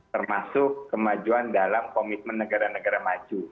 termasuk kemajuan dalam komitmen negara negara maju